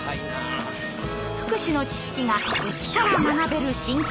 福祉の知識がイチから学べる新企画！